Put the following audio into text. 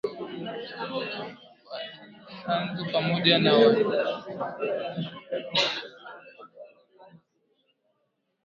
Waisanzu pamoja na Waiambi ndo wenye maeneo madogo sana